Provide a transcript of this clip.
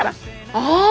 ああ！